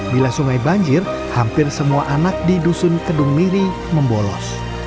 bila sungai banjir hampir semua anak di dusun kedung miri membolos